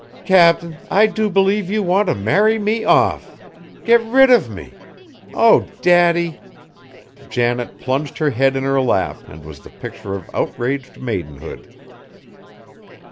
"Cap'n, I do believe you want to marry me off! get rid of me! oh, Daddy!" Janet plunged her head in her lap and was the picture of outraged maidenhood.